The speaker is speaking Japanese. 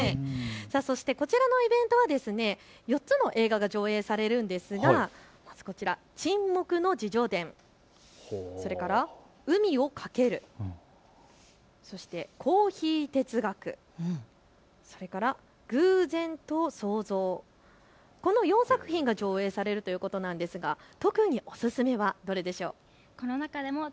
そしてこちらのイベントは４つの映画が上映されるんですがまずこちら沈黙の自叙伝、それから海を駆ける、そして珈琲哲学、それから偶然と想像、この４作品が上映されるということなんですが、特におすすめはどれでしょう？